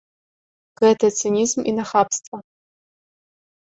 Гэта цынізм і нахабства.